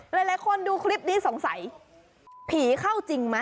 หลายคนดูคลิปนี้สงสัยผีเข้าจริงไหม